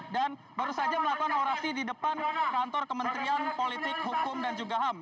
dan baru saja melakukan orasi di depan kantor kementerian politik hukum dan juga ham